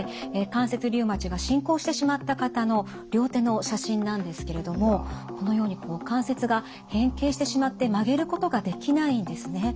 関節リウマチが進行してしまった方の両手の写真なんですけれどもこのようにこう関節が変形してしまって曲げることができないんですね。